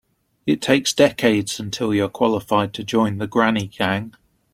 It takes decades until you're qualified to join the granny gang.